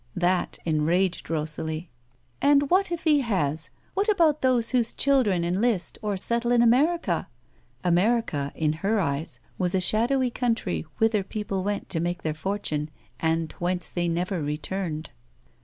That enraged Rosalie. " And what if he has ? How about those whose children enlist, or settle in America ?" (America, in her eyes, was a shadowy country whither people went to make their fortune, and whence they never returned.)